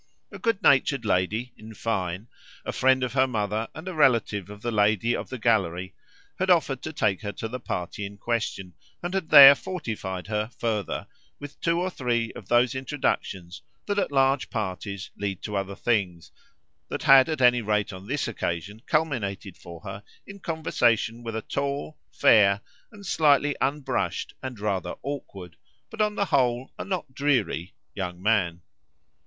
A good natured lady in fine, a friend of her mother and a relative of the lady of the gallery, had offered to take her to the party in question and had there fortified her, further, with two or three of those introductions that, at large parties, lead to other things that had at any rate on this occasion culminated for her in conversation with a tall fair, a slightly unbrushed and rather awkward, but on the whole a not dreary, young man.